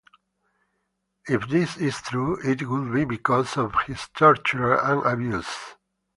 If this is true it would be because of his torture and abuse.